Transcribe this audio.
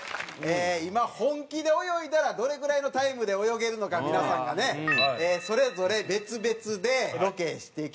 今本気で泳いだらどれぐらいのタイムで泳げるのか皆さんがねそれぞれ別々でロケしてきました。